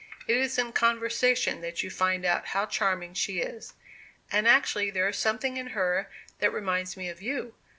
It is in conversation that you find out how charming she is. And actually there is something in her that reminds me of you!